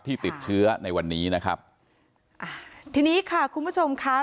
ที่ติดเชื้อในวันนี้นะครับอ่าทีนี้ค่ะคุณผู้ชมค่ะ